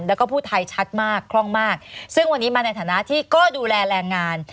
แล้วก็ผู้ไทยชัดมากคล่องมากซึ่งวันนี้มาในฐานะที่ก็ดูแลแรงงาน